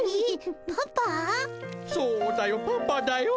そうだよパパだよ。